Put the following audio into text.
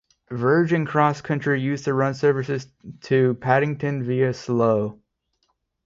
Virgin CrossCountry used to run services to Paddington Via Slough.